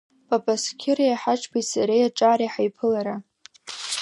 Папасқьыри, Аҳашбеи, сареи, аҿари ҳаиԥылара.